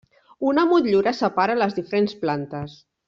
Una motllura separa les diferents plantes.